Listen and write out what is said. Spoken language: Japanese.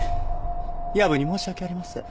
夜分に申し訳ありません。